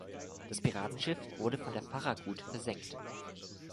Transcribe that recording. Das Piratenschiff wurde von der "Farragut" versenkt.